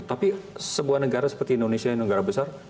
tapi sebuah negara seperti indonesia negara besar